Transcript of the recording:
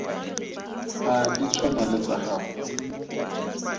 A di tshwana le tsa gago?